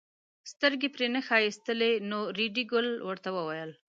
سترګې پرې نه ښایستلې نو ریډي ګل ورته وویل.